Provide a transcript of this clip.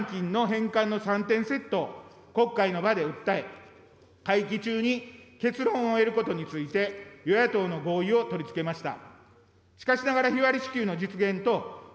先の通常国会では、日割り支給、使途の公開、残金の返還の３点セットを国会の場で訴え、会期中に結論を得ることについて、与野党の合意を取り付けました。